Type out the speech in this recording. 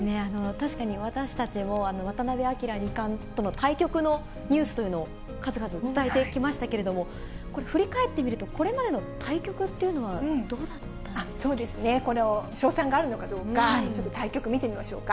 確かに私たちも、渡辺明二冠との対局のニュースというのを数々伝えてきましたけれども、これ、振り返ってみると、これまでの対局っていうのは、そうですね、勝算があるのかどうか、ちょっと対局見てみましょうか。